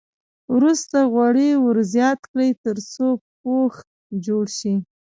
وروسته غوړي ور زیات کړئ تر څو پوښ جوړ شي.